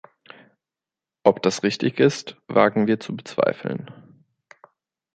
Ob das richtig ist, wagen wir zu bezweifeln.